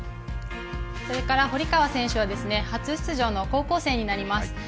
それから、堀川選手は初出場の高校生になります。